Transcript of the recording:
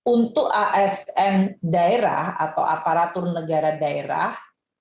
untuk asn daerah atau aparatur negara daerah